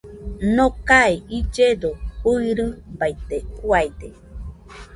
Nokae illedo fɨirɨbaite, uiade